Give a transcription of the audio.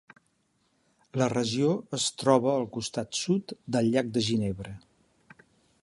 La regió es troba al costat sud del llac de Ginebra.